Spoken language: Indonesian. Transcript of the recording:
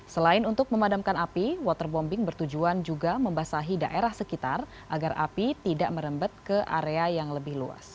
selain untuk memadamkan api waterbombing bertujuan juga membasahi daerah sekitar agar api tidak merembet ke area yang lebih luas